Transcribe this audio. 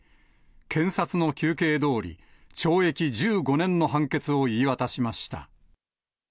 検察の求刑どおり、懲役１５年の判決を言い渡しました。